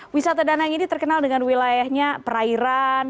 wisata danang ini terkenal dengan wilayahnya perairan